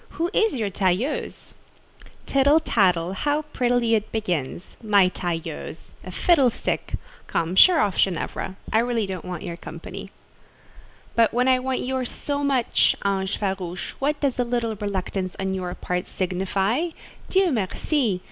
Who is your tailleuse?" "Tittle tattle: how prettily it begins! My tailleuse!—a fiddlestick! Come, sheer off, Ginevra. I really don't want your company." "But when I want yours so much, ange farouche, what does a little reluctance on your part signify? Dieu merci!